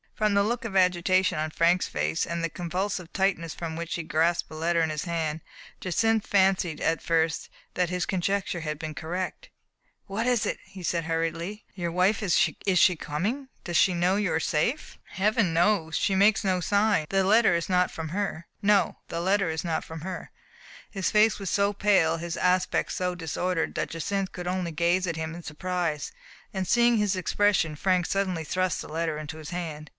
From the look of agitation on Frank's face, and the convulsive tightness with which he grasped a letter in his hand, Jacynth fancied at first that his conjecture had been correct. "What is it?'* he said hurriedly. "Your wife — is she coming? Does she know that you are safe?" Digitized by Google ^70 THE FATE OF FENELLA, "Heaven knows! She makes no sign. No, the letter is not from her." His face was so pale, his aspect so disordered, that Jacynth could only gaze at him in surprise. And seeing his expression, Frank suddenly thrust the letter into his hand.